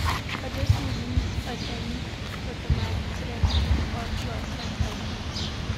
Other students attend Potomac, Friendly, or Crossland high schools.